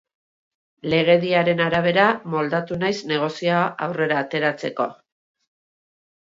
Legediaren arabera moldatu naiz negozioa aurrera ateratzeko.